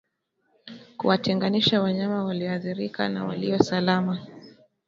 Kuwatenganisha wanyama walioathirika na walio salama